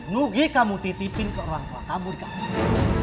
nugi kamu titipin ke orang tua kamu di kampung